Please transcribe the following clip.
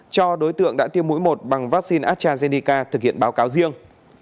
cho đối tượng đã tiêm mũi một bằng vaccine astrazeneca thực hiện báo cáo riêng